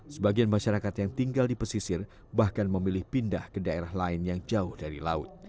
sebagian masyarakat yang tinggal di pesisir bahkan memilih pindah ke daerah lain yang jauh dari laut